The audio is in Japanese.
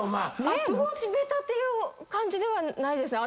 アプローチ下手っていう感じではないですね。